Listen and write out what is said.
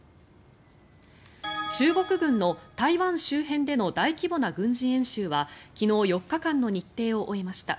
中国軍の台湾周辺での大規模な軍事演習は昨日４日間の日程を終えました。